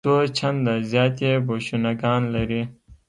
څو چنده زیات یې بوشونګان لري.